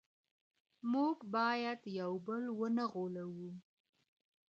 موږ باید یو بل ونه غولوو.